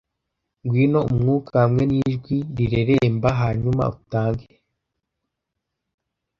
Ngwino umwuka, hamwe n'ijwi rireremba, hanyuma utange